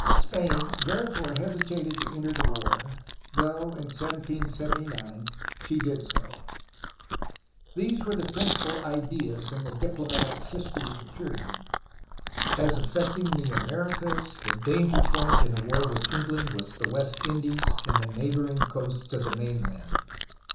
Spain therefore hesitated to enter the war, though in 1779 she did so. These were the principal ideas in the diplomatic history of the period. As affecting the Americas the danger point in a war with England was the West Indies and the neighboring coasts of the mainland.